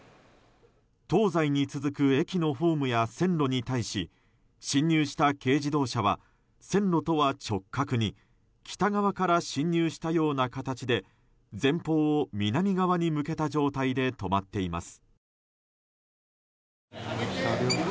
東西に続く駅のホームや線路に対し進入した軽自動車は線路とは直角に北側から進入したような形で前方を南側に向けた状態で止まっています。